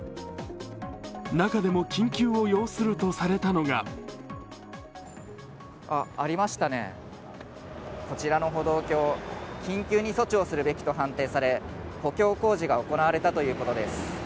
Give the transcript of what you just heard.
中でも緊急を要するとされたのがありましたね、こちらの歩道橋、緊急に措置をするべきと判定され補強工事が行われたということです。